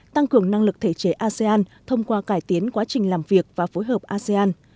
tăng cường năng lực thể chế asean thông qua cải tiến quá trình làm việc và phối hợp asean